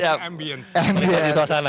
ambiance di suasana